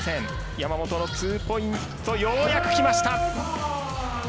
山本のツーポイントようやくきました！